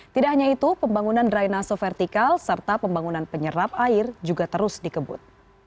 tidak hanya itu pembangunan drainase vertikal serta pembangunan penyerap air juga terus dikebut